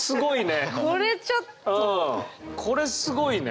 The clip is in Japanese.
これすごいね。